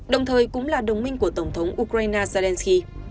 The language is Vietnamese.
đồng thời cũng là đồng minh của tổng thống ukraine zelensky